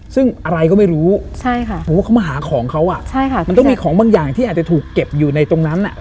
ซึ่งอะไรก็ไม่รู้เขามาหาของเขามันต้องมีของบางอย่างที่อาจจะถูกเก็บอยู่ในตรงนั้น